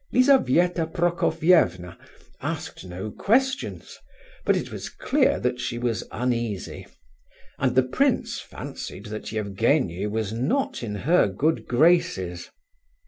Lizabetha Prokofievna asked no questions, but it was clear that she was uneasy, and the prince fancied that Evgenie was not in her good graces.